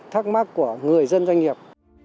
thắc mắc của người dân doanh nghiệp